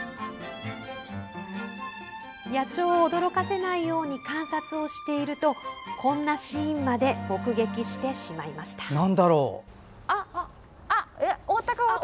野鳥を驚かせないように観察をしているとこんなシーンまで目撃してしまいました。